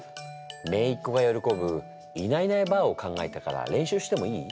めいっ子がよろこぶいないいないばぁを考えたから練習してもいい？